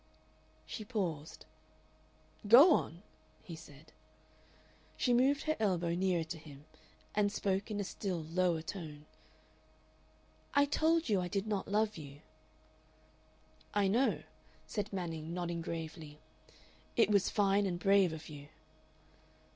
She paused. "Go on," he said. She moved her elbow nearer to him and spoke in a still lower tone. "I told you I did not love you." "I know," said Manning, nodding gravely. "It was fine and brave of you."